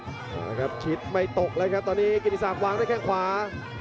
อื้อฮืออ่าครับคิดไม่ตกเลยครับตอนนี้กินที่สักวางด้วยแค่งขวา